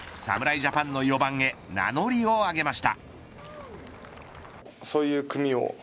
ジャパンの４番へ名乗りをあげました。